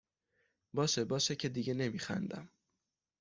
باشه باشه که دیگه نمیخندم